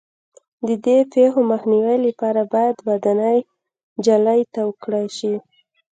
د دې پېښو مخنیوي لپاره باید ودانۍ جالۍ تاو کړای شي.